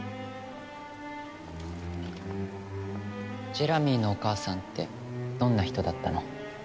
ジェラミーのお母さんってどんな人だったの？